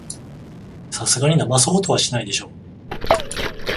さすがにだまそうとはしないでしょ